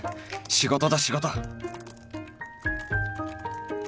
仕事だ仕事